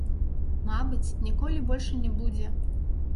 Мабыць, ніколі больш і не будзе.